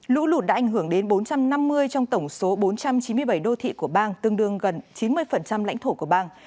lũ lụt đã ảnh hưởng đến bốn trăm năm mươi trong tổng số bốn trăm chín mươi bảy đô thị của bang tương đương gần chín mươi lãnh thổ của bang